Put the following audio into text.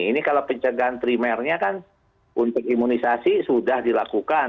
ini kalau pencegahan primernya kan untuk imunisasi sudah dilakukan